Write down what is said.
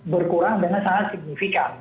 berkurang dengan sangat signifikan